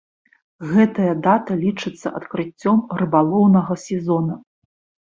Гэтая дата лічыцца адкрыццём рыбалоўнага сезона.